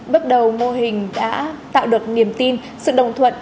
bước đầu mô hình đã tạo được niềm tin sự đồng thuận